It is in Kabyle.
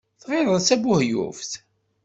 Tɣileḍ d tabuheyyuft.